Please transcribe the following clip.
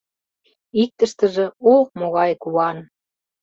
Иктыштыже, о могай куан!